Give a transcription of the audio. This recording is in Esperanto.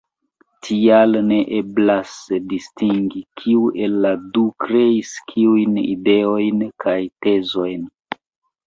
Tial ne eblas distingi, kiu el la du kreis kiujn ideojn kaj tezojn.